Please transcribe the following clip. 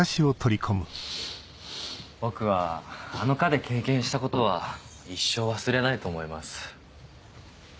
僕はあの科で経験したことは一生忘れないと思います。